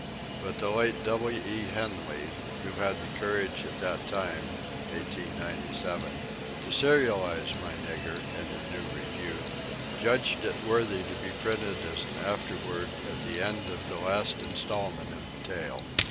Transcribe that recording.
But the late W. E. Henley, who had the courage at that time (1897) to serialize my "Nigger" in the New Review judged it worthy to be printed as an afterword at the end of the last instalment of the tale.